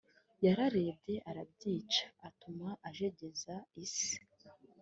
yararebye arabyica atuma ajegeza isi